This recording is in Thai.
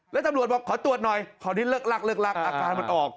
แล้วตำรวจบอกขอตรวจหน่อยคราวนี้เลิกลักษณ์อาการมันออก